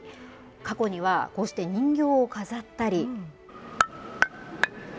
過去にはこうして人形を飾ったり。